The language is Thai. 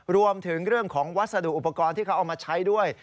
รวมถึงเรื่องของวัสดุอุปกรณ์ที่เขาเอามาใช้ด้วย